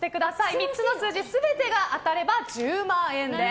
３つの数字全てが当たれば１０万円です。